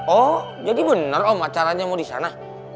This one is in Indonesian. oh jadi bener om acaranya mau disana